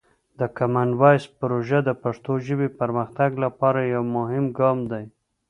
د کامن وایس پروژه د پښتو ژبې پرمختګ لپاره یوه مهمه ګام دی.